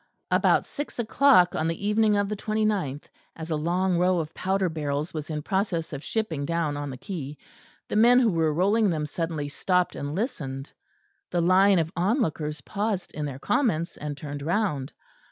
About six o'clock on the evening of the twenty ninth, as a long row of powder barrels was in process of shipping down on the quay, the men who were rolling them suddenly stopped and listened; the line of onlookers paused in their comments, and turned round.